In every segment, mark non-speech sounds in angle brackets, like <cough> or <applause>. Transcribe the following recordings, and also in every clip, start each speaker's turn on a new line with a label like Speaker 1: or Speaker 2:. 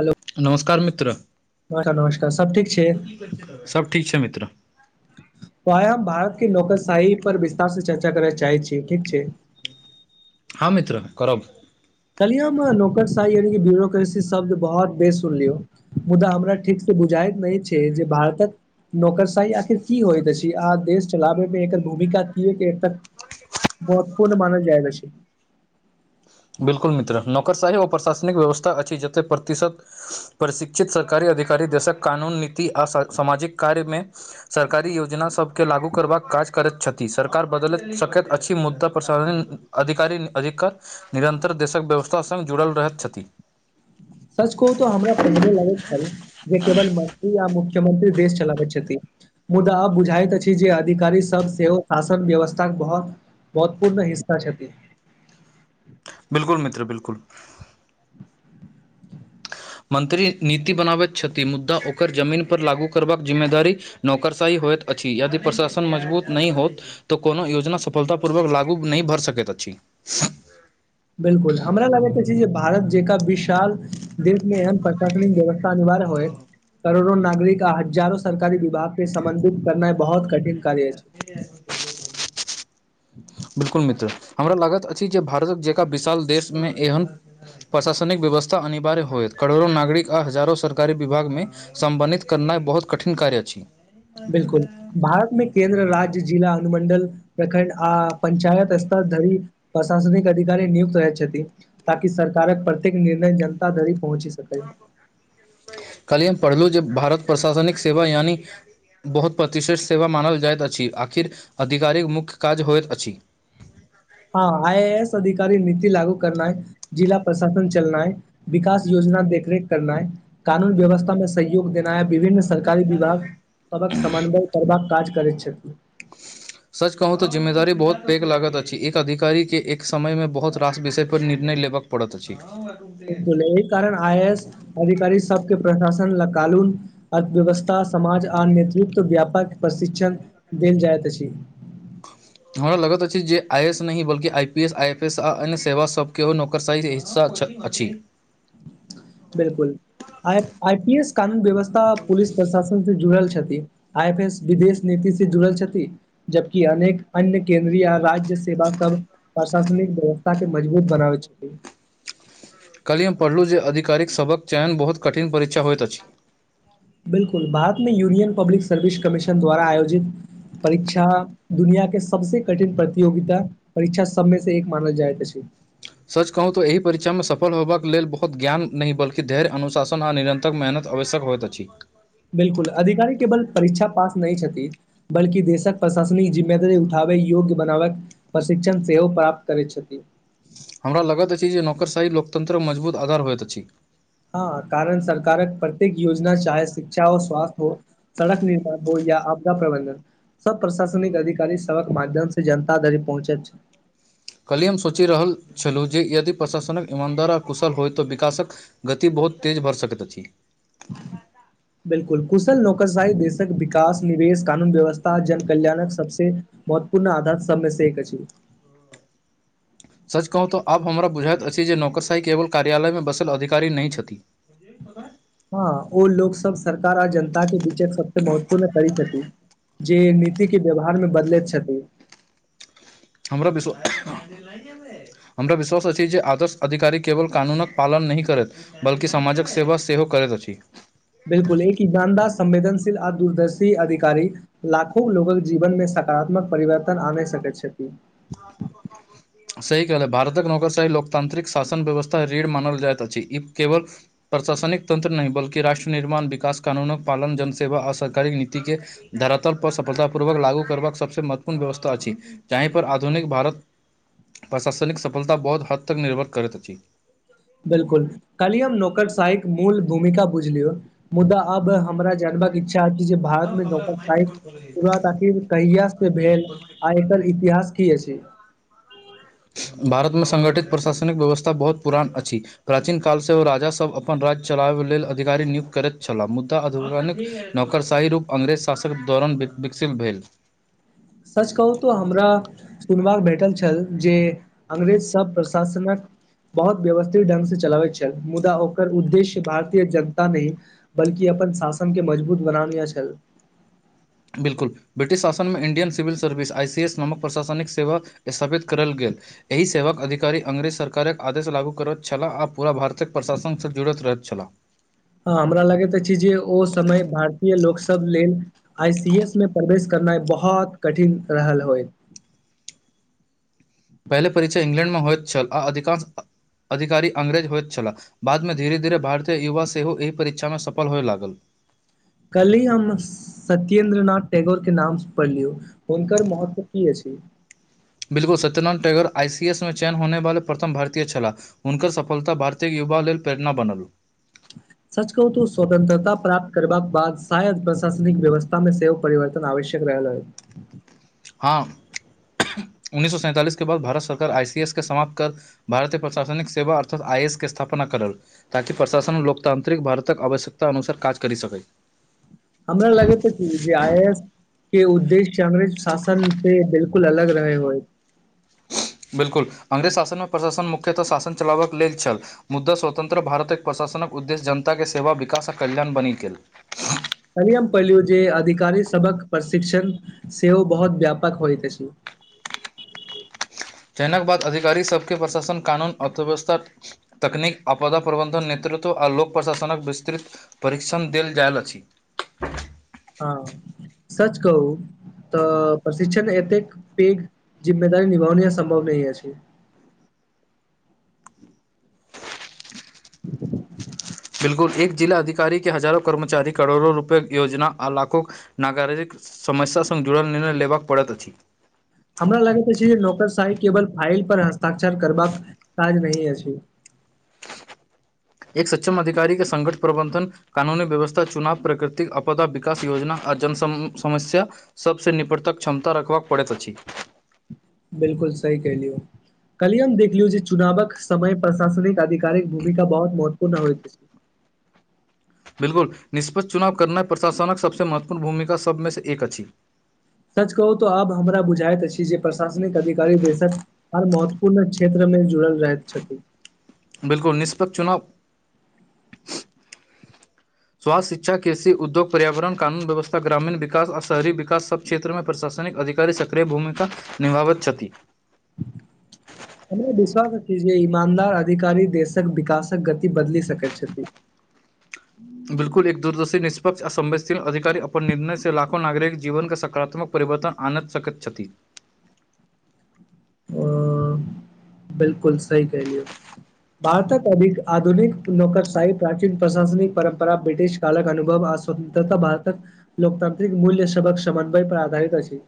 Speaker 1: Hello
Speaker 2: नमस्कार मित्र
Speaker 1: नमस्कार नमस्कार सब ठीक छै तो
Speaker 2: सब ठीक छैय मित्र
Speaker 1: त आइ हम भारत के नौकरशााही पर विस्तार से चर्चा करय चाहै छी ठीक छैय।
Speaker 2: हाँ मित्र करब।
Speaker 1: कलियँमे नौकरशाह यानि ब्यरोक्रेसी शब्द बहुत बेस सुन लियौ। मुदा हमरा ठीकसँ बुझाईत नहि छैय जे भारतक नौकरशााही आखिर की होइत छैय अहाँ देश चलाबैमे एकर भूमिका की किए महत्वपूर्ण मानल जाय छैय।
Speaker 2: बिल्कुल मित्र नौकरशाही ओ प्रशासनिक व्यवस्था अछि जते प्रतिशत प्रशिक्षित सरकारी अधिकारी देशक कानून नीति आ स सामाजिक कार्यमे सरकारी योजना सबके लागू करबाक काज करैत छथि सरकार बदल सकैत अछि मुद्दा प्रसासन अधिकारी अधिकर निरन्तर देशक व्यवस्था सङ्ग जुड़ल रहैत छथि।
Speaker 1: सच कहूँ तो हमरा पहिने लगैत छलै जे केवल मंत्री य मुख्यमंत्री देश चलाबैत छथिन। मुदा अब बुझाइत अछि जे अधिकारी सब सेहो शासन व्यवस्था के बाहुत बहुत्वपूर्ण हिस्सा छथिन।
Speaker 2: बिलकुल मित्र बिलकुल मंत्री नीति बनाबैत छथिन मुद्दा ओकर जमीन पर लागू करबाक जिम्मेदारी नौकरशााही होइत अछि यदि प्रशासन मजबूत नहि होत तऽ कोनो योजना सफलता पूर्वक लागू नहि भर सकैत अछि।
Speaker 1: बिल्कुल हमरा लगैत छैय जे भारत जेकाँ विशाल देश मे ऐहन कलीन व्यवस्था अनिवार्य होइ करोड़ो नागरिक आ हजारो से सरकारी विभाग के समन्धित करनाई बहुत कठिन कार्य अछि।
Speaker 2: <unintelligible> बिल्कूल मित्र हमरा लागत अछि जे भारत जँका विशाल देशमे एहन प्रशासनिक व्यवस्था अनिवार्य होइ करोड़ो नागरिक आ हजारो सरकारी विभाग म सम्बन्धित करनाई बहुत कठिन कार्य अछि
Speaker 1: बिल्कूल भारत मे केन्द्र राज्य जिला अनुमंडल प्रखंड आ पंचायत स्तर धरी प्रशासनिक अधिकारी नियुक्त रहय छथिन ताकि सरकार कऽ प्रत्येक निर्णय जनता धरि पहुँची
Speaker 2: कालि हम पढ़लू जे भारत प्रशासनिक सेवा यानि बहुत प्रतिष्ठत सेवा मानल जाइत अछि आखिर अधिकारिक मुख्य काज होइत अछि।
Speaker 1: हँ आई एस अधिकारी नीति लागू करनाय जिला प्रशासन चलनाय विकास योजना देख रेख करनाई कानून व्यवस्था मे सहयोग देनाय विभिन्न सरकारी विभाग सभकेँ समन्वय करबाक काज करैत छथिन
Speaker 2: <unintelligible> सच कहू तऽ जिम्मेदारी बहुत पैघ लागत अछि एक अधिकारी के एक समय मे बहुत रास विषय पर निर्णय लेबकऽ पड़त अछि।
Speaker 1: बिल्कुल अही कारण आइ एस अधिकारी सभके प्रशासन ल कालून अर्थव्यवस्था समाज आर नेतृत्व व्यापक प्रशिक्षण देल जाइत अछि।
Speaker 2: हमरा लगैत अछि जे आइ एस नहि बल्कि I P S I F S अन्य सेवा सभ सेहो नौकरशाही हिस्सा छथि अछि।
Speaker 1: बिल्कूल आ आई पी एस कानून व्यवस्था पुलिस प्रशासन से जुड़ल छथि आइ एफ एस विदेश नीति से जुड़ल छथिन जबकि अनेक अन्य केन्द्रीय राज्य सेवा सभ प्रशासनिक व्यवस्था के मजबूत बनाबै छथी।
Speaker 2: कालहि हम पढ़लहुँ जे आधिकारिक सभ कऽ चयन बहुत कठिन परीक्षा होइत अछि
Speaker 1: बिल्कूल भारत मे यूनियन पब्लिक सर्विस कमीशन द्वारा आयोजित परीक्षा दुनिया के सभसे कठिन प्रतियोगिता परीक्षा सभमे से एक मानल जाइत अछि
Speaker 2: सच कहू तऽ एहि परीक्षा मे सफल होबा कऽ लेलऽ बहुत ज्ञान नहि बल्कि धैर्य अनुशासन आ निरन्र तक मेहनत आवश्यक होइत अछि।
Speaker 1: बिल्कूल अधिकारी केवल परीक्षा पास नहि छथि बल्कि देशक प्रशासनिक जिम्मेदारी उठाबै योग्य बनाबकऽ प्रशिक्षण सेहो प्राप्त करै छथिन
Speaker 2: हमरा लगैत अछि जे नौकरशाही लोकतन्त्र मे मजबूत आधार होइत अछि।
Speaker 1: ह। कारण सरकारक प्रत्येक योजना चाहे शिक्षा हो स्वास्थ्य हो सड़क निर्माण हो या आपदा प्रबंधन। सभ प्रशासनिक अधिकारी सभ कऽ माध्यम से जनता धरि पहुँचैत छै
Speaker 2: कल्हि हम सोचि रहल छलहुँ जे यदि प्रशासनक ईमानदार आ कुशल होइ तऽ विकासकऽ गति बहुत तेज भर सकत अछि
Speaker 1: बिल्कूल कुशल नौकरशाी देशक विकास निवेश कानून व्यवस्था जन कल्याणक सभसे महत्वपूर्ण आधार सभमे से एक अछि
Speaker 2: सच कहू तऽ आब हमरा बुझाइत अछि जे नौकरशाही केवल कार्यालय मे बसल अधिकारी नहि छथि <unintelligible>
Speaker 1: हँ ओ लोक सभ सरकार आ जनता के बीच एक सभसे महत्वपूर्ण करी छथि जे ई नीति के व्यवहार मे बदलैत छथि
Speaker 2: हमरा विश्व हमरा विश्वास अछि जे आदर्श अधिकारी केवल कानूनीक पालन नही करथि बल्कि समाजक सेवा सेहो करैत अछि
Speaker 1: बिल्कुल एक ईमानदा संवेदनशील आ दूरदर्शी अधिकार लाखो लोगक जीवन मे सकारात्मक परिवर्तन आने सकैत छथि
Speaker 2: <inaudible> सही कहल भारतक नौकरशाही लोककतांत्र्रिक शासन व्यवस्था रऋढ़ मानल जाइत अछि ई केवल प्रशासनिक तन्त्र नहि बल्कि राष्ट्र निर्माण विकास कानूनक पालन जनसेवा आ सरकारी नीति के धरातल पर सफलतापूर्वक लागू करबाक सबसँ महत्वपूर्ण व्यवस्था अछि जाहि पर आधुनिक भारत प्रशासनिक सफलता बहुत हद तक निर्भर करैत अछि
Speaker 1: बिल्कुल काल्ही हम नौकचशाही क मूल भूमिका बुझलियो मुद्दा अब हमरा जानबाक इच्छा आ जे भारतमे द साइ <unintelligible> परात आखिर कहिया से भेल आ एकर इतिहास की अछि
Speaker 2: भारतमे संगठित प्रशासनिक व्यवस्था बहुत पुरान अछि प्राचीन कालसे ओ राजा सब अपन राज्य चलाबै लेल अधिकारी नियुक्त करैत छलाह मुद्दा आधिक नौकरशाही रूप अंग्रेज शासक दौरान विकसित भेल
Speaker 1: सच कहू तो हमरा सुनवाक भेटल छल जे अंग्रेज सब प्रशासनक बहुत व्यवस्थित ढंग से चलाबैत छल मुदा ओकर उद्देश्य भारतीय जनता ने बल्कि अपन शासन के मजबूत बनानीय छल
Speaker 2: बिल्कुल ब्रिटिश शासन मे Indian civil service I C S नामक प्रशासनिक सेवा स्थापित करल गेल एहि सेवाक अधिकारी अंग्रेज सरकारक आदेश लागू करैत छलाह आ पूरा भारतक प्रशासनसँ जुड़ैत रहैत छलाह
Speaker 1: हँ हमरा लगैत अछि जे ओ समय भारतीय लोकसब लेल आई सी एस मे प्रवेश करनाइ बहुत कठिन रहल होय
Speaker 2: पहिले परीक्षा इंग्लैंड मे होयत छल आ अधिकांश अधिकारी अंग्रेज होयत छलाह बादमे धीरे धीरे भारतीय युवा सेहो एहि परीक्षामे सफल होय लागल
Speaker 1: कल्हि हम सत्येन्द्रनाथ टैगोर के नाम से पढ़लियौ हुनकर महत्व की अछि
Speaker 2: बिल्कुल सत्यनायण टैयगर आई सी एस मे चयन होने वाला प्रथम भारतीय छलाह हुनकर सफलता भारतीय युवा लेल प्रेरणा बनल
Speaker 1: सच कहू तू स्वतंत्रता प्राप्त करबाक बाद शायद प्रशासनिक व्यवस्था मे सेहो परिवर्तन आव छै चकरा <unintelligible>
Speaker 2: हँ उन्ननीस सौ सैंतालिसके बाद भारत सरकार आई सी एस के समाप्त कर भारतीय प्रशासनिक सेवा अर्थात आई एस के स्थापना करल ताकि प्रशासन लोकतांत्रिक भारतक आवश्यकता अनुसार काज करि सकै
Speaker 1: हमरा लागै त कि जे आइ एस के उद्देश्य अंग्रेज शासन से बिल्कुल अलग रहे होय
Speaker 2: बिल्कुल अंग्रेज शासन मे प्रशासन मुख्यतः शासन चलाबक लेल छल मुद्दा स्वतंत्र भारतक एक प्रशासनक उद्देश्य जनता के सेवा विकास आ कल्यण बनी गेल
Speaker 1: कल्हि हम पहिलू जे अधिकारी सबक प्रशिक्षण सेहो बहुत व्यापक होइत अछि
Speaker 2: चयनक बाद अधिकारीसबके प्रशासन कानून अर्थव्यवस्था तकनीक आपदा प्रबन्धन नेतृत्व आ ल लोक प्रशासन विस्तृत परीक्षण देल जाएल अछि
Speaker 1: हँ सच कहू तऽ प्रशिक्षण एतेक पेघ जिम्मेदारी निभावनी सम्भव नहि अछि। <inaudible>
Speaker 2: बिलकुल एक जिला अधिकार के हजारो कर्मचारी करोड़ो रूपए योजना आ लाखो नागरिक। समस्या संग जुड़ल निर्णय लेबाक पड़त अछि।
Speaker 1: हमरा लागैत अछि जे नौकरशााही केवल फाइल पर हस्ताक्षर करबाक काज नहि अछि।
Speaker 2: एक सक्षम अधिकारी के संघठ प्रबंधन। कानूनी व्यवस्था चुनाव प्रकृतिक अपदा विकास योजना आ जन समस्या सभ सँ निपटतक क्षमता रखबाक पड़ैत अछि।
Speaker 1: बिलकुल सही कलियौ। कलियए हम देखलियौ जे चुनावक समय प्रशासनिक आधिकारिक भूमिका बहुत महत्वपूर्ण होइत अछि।
Speaker 2: बिल्कुल निष्प्ष चुनाव करनाइ प्रशासनकक सभ सँ महत्वपूर्ण भूमिका सभ में से एक अछि।
Speaker 1: सच कहू तऽ आब हमरा बुझाइत अछि। जे प्रशासनिक अधिकारी देक हर महत्वपूर्ण क्षेत्र में जुड़ल रह छथि।
Speaker 2: बिलकल निष्पक्ष चुनाव स्वासथ्य शिक्षा कृषि उद्योग पर्यावरण कानून व्यवस्था ग्रामीण विकास आ शहरी विकास सभ क्षेत्र में प्रशासनिक अधिकारी सक्रिय भूमिका निभावैत छथि।
Speaker 1: हमरा विश्वास अछि। जे ईमानदार अधिकारी देशक विकासक गति बदल सक छथि।
Speaker 2: बिल्कुल एक दूरदर्शी निष्पक आ संवेदशील अधिकी अप्पन निर्णय से लाखो नागरिक जीवन के सकारात्मक परिवर्तन आनत सकत छथि। <inaudible>
Speaker 1: बिलकुल सही कहलियौ। भारत के अधिक आधुनिक नौकरशाही प्राचीन प्रशासनिक परम्परा ब्रिटिश। कालक अनुभव आ स्वतंत्रता भारतक लोकतांत्रिक मूल्य सभ क समन्वय पर आधारित अछि।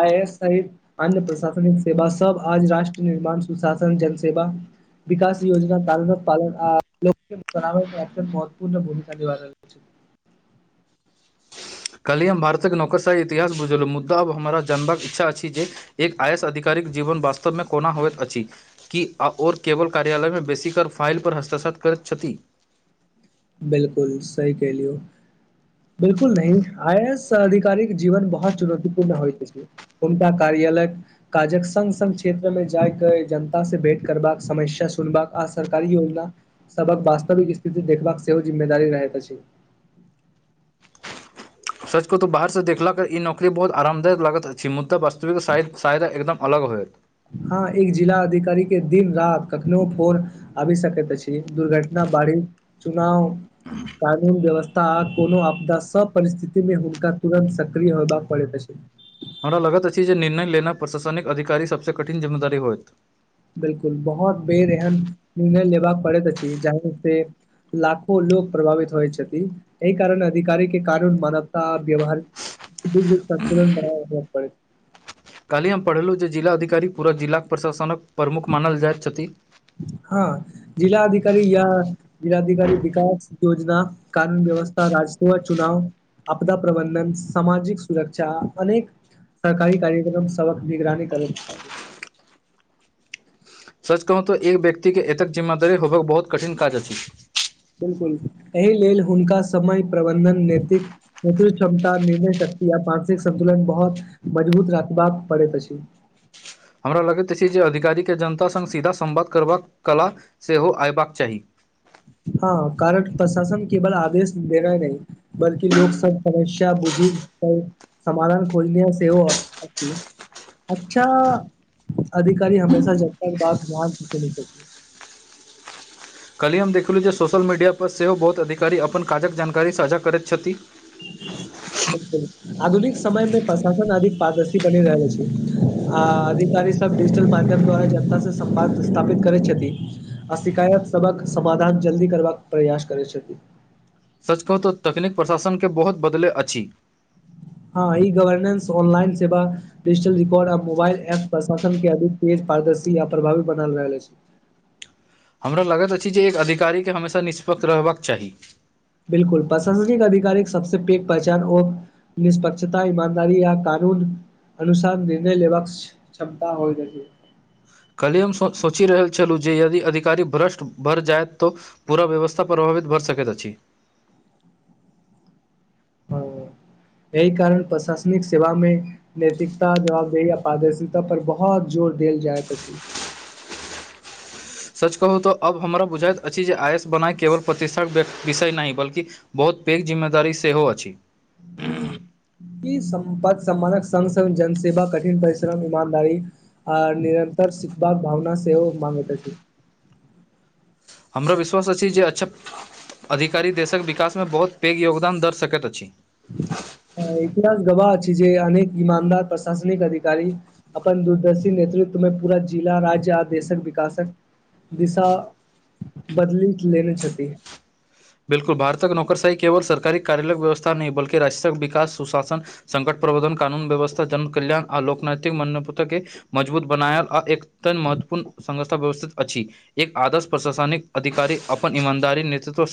Speaker 1: आइ एक सऽ एक सहित अन्य प्रशासनिक। सेवा सभ आज राष्ट्र निर्माण सुशासन के सेवा विकास योजना साल भर पालन आ लोक महत्वपूर्ण बनावा में महत्वपूर्ण भूमिका दे रहल छै।
Speaker 2: काल्हि हम भारतक नौकरशाही इतिहास बुझलहुँ मुद्दा आब हमरा जानबाक इच्छा अछि। जे एक आय एस आधिकारिक जीवन वास्तव में कोना होइत अछि। की ओओर केवल कार्यालय मे बेसी काल फाइल पर हस्ताक्षर करैत छथि।
Speaker 1: बिलकुल सही कहलियौ। बिलकुल नही आई ए एस अधिकारी जीवन बहुत चुनौतीपूर्ण होइत छै। हुनका कार्यालय। काजक संग। सग क्षेत्र मे जायके जनता से भेंट। करबाक समस्या। सुनबाक आ सरकारी योजना सभहक वास्तविक स्थिति देखबाक सेहो जिम्मेदार रहैत छै।
Speaker 2: सचि कहु ता बाहर सँ देखलाक ई नौकरी बहुत आरामदायक लगैत अछि। मुदा वास्तविकाय सायता एकदम अलग होयत
Speaker 1: हा एक जिला अधिकारी। के दिन रात कखनो फोर आबए सकत अछि। दुर्घटना बढ़ी चुनाव कानून व्यवस्था आ कोनो आपदा सभ परिस्थिति में हुनका तुरन्त सक्रिय होयबा पड़ैत छै।
Speaker 2: हमरा लगत अछि। जे निर्णय लेनाइ प्रशासनिक अधीकारी सभ सँ कठिन जिम्मेदारी होयत
Speaker 1: बिलकुल बहुत बेर एहन निर्णय लेबाक पड़ैत अछि। जाहि में फेर लाखो लोक प्रभावित होइ छथि। एहि कारणे अधिकारी के कानून मानवता व्यवहार
Speaker 2: काल्हि हम पढ़ेलहुँ जे जिलाधिकारी पूरा जिलाक प्रशासनक प्रमुख मानल जाइत छथि।
Speaker 1: हँ जिला अधिकारी या। जिला अधिकारी विकास योजना कानून व्यवस्था राजसेवा चुनाव आपदा प्रबंधन सामाजिक सुरक्षा अनेक सरकारी कार्यक्रम सबक निगरानी करैत छै
Speaker 2: सच कहू तऽ एक व्यक्ति के एतेक जिम्मेदारी होबाक बहुत कठिन काज अछि
Speaker 1: बिलकुल एहि लेल हुनका समय प्रबन्धन नैतिक क्षमता निर्णय शक्ति आ मानसिक संन्तुलन बहुत मजबूत रखबाक पड़ैत अछि
Speaker 2: हमरा लगैत अछि जे अधिकारी के जनता संग सीधा संवाद करबाक कला सेहो अयबाक चाही
Speaker 1: हँ कारण प्रशासन केवल आदेश देनाए नहि बल्कि लोक सब समस्या बुझी समाधान खोजने सेहो अछि अच्छा अधिकारी हमेशा जनता के बात ध्यान से सुनेत अछि
Speaker 2: कल्हि हम देखलहुँ जे सोशल मीडिया पर सेहो बहुत अधिकारी अपन काजक जानकारी साझा करैत छथि
Speaker 1: <inaudible> बिल्कुल आधुनिक समय मे प्रशासन अधिक पारदर्शी बनि रहल अछि आ अधिकारी <inaudible> डिजिटल माध्यम द्वारा जनता से संवाद स्थापित करैत छथि आ शिकायत सभक समाधान जल्दी करबाक प्रयास करै छथी
Speaker 2: सच कहू तऽ तकनीक प्रशासन के बहुत बदले अछि
Speaker 1: हँ ई गवर्नेंस ऑनलाइन सेवा डजिटल रिकॉर्ड आ मोबाइल एप्स प्रशासन के अधिक तेज पारदर्शी आ प्रभावी बन रहल अछि
Speaker 2: हमरा लागैत अछि जे एक अधिकारी के हमेशा निष्पक्ष रहबाक चाहि
Speaker 1: बिलकुल प्रशासनिक अधिकार सबसे पैघ पहचान ओ निष्पक्षता ईमानदारी या कानून अनुसार निर्णय लेबाकक क्षमता होइत अछि
Speaker 2: कल्हिय हम सोचि रहल छलहुँ जे यदि अधिकारी भ्रष्ट बढ़ जाइत तऽ पूरा व्यवस्था प्रभावित भर सकैत अछि
Speaker 1: हँ
Speaker 2: <inaudible>
Speaker 1: एहि कारण प्रशासनिक सेवा मे नैतिकता जवाबदेहि आ पारदर्शता पर बहुत जोर देल जायत अछि।
Speaker 2: सच कहू तऽ अब हमरा बुझाइत अछि जे आइ एस बनाई केवल प्रतिष्ठाक विषय नहि बल्कि बहुत पैघ जिम्मेदारी सेहो अछि
Speaker 1: हूँ ई सम्पद सम्मानक संग संग जन सेेवा कठिन परिश्रम ईमानदारी आ निरंतर सिखबाक भावना सेहो माँगैत अछि
Speaker 2: हमरा विश्वास अछि जे अच्छा अधिकारी देशक विकासमे बहुत पैघ योगदान दऽ सकैत अछि
Speaker 1: इतिहास गबाह छैय जे अनेक ईमानदार प्रशासनिक अधिकारी अपन दूरदर्शी नेतृत्व मे पूरा जिला राज्य आ देशक विकासक दिशा बदली लेने छथि
Speaker 2: बिलकुल भारतक नौकरशाी केवल सरकारी कार्यालय व्यवस्था नहि बल्कि राजक विकास सुशासन संकट प्रबंधन कानून व्यवस्था जन कल्यण आ लोकनैतिक मान्य पत्र के मजबूत बनायल आ एकत महत्वपूर्ण संस्था व्यवस्थित अछि एक आदर्श प्रशासनिक अधिकारी अपन ईमानदारी नेतृत्व सं